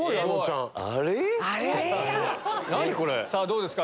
あれ⁉どうですか？